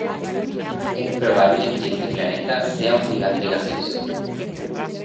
Es probable que este planeta sea un gigante gaseoso.